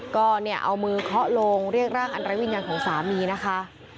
ก็เนี่ยเอามือเคาะลงเรียกร่างอันไร้วิญญาณของสามีนะคะ